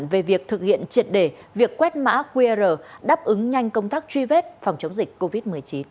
về việc thực hiện triệt để việc quét mã qr đáp ứng nhanh công tác truy vết phòng chống dịch covid một mươi chín